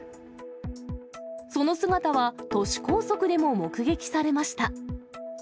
その姿は、都市高速でも目撃されました。